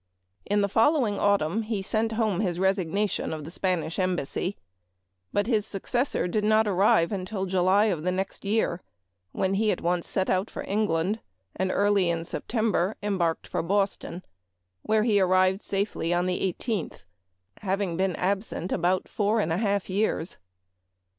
In the follow ing autumn lie sent home his resignation of the Spanish Embassy ; but his successor did not arrive until July of the next year, when he at once set out for England, and early in Septem ber embarked (or Boston, where he arrived safely on the 1 8th, having been absent about four and a half years.